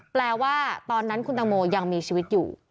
แปลว่าตอนนั้นคุณตังโมยังมีชีวิตอยู่